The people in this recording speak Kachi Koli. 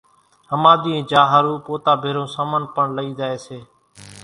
ۿماۮيئين جا ۿارُو پوتا ڀيرون سامان پڻ لئي زائي سي